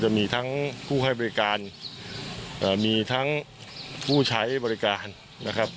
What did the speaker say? จะมีทั้งผู้ให้บริการมีทั้งผู้ใช้บริการนะครับ